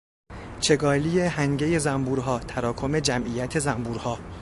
چگالی هنگهی زنبورها، تراکم جمعیت زنبورها